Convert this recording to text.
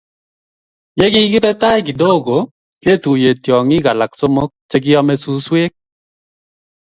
Ye kikibe tai kidogo ketuye tiong'ik alak somok che kiame suswek